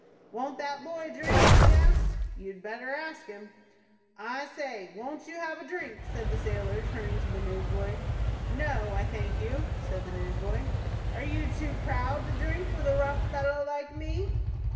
"Won't that boy drink?" he asked. "You had better ask him." "I say, won't you have a drink?" said the sailor, turning to the newsboy. "No, I thank you," said the newsboy. "Are you too proud to drink with a rough fellow like me?"